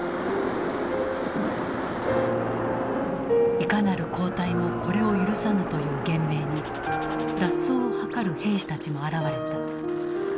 いかなる後退もこれを許さぬという厳命に脱走を図る兵士たちも現れた。